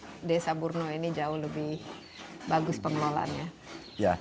jadi ini juga desa burno ini jauh lebih bagus pengelolaannya